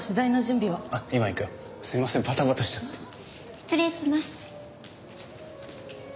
失礼します。